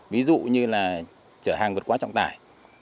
ví dụ như là chở hàng vượt quá trọng tải